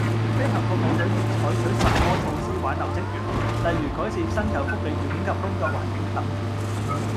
飛行服務隊已採取甚麼措施挽留職員，例如改善薪酬福利條件及工作環境等